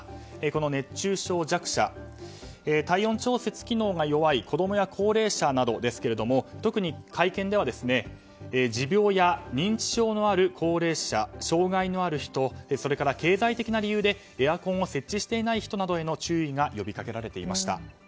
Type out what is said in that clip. この熱中症弱者体温調節機能が弱い子供や高齢者などですけれども特に会見では持病や認知症のある高齢者障害のある人それから経済的な理由でエアコンを設置していない人などへの注意が呼びかけられていました。